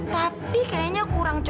tapi kayaknya kurang cantik